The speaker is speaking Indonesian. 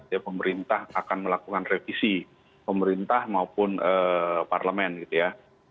ya pemerintah akan melakukan revisi pemerintah maupun parlemen gitu ya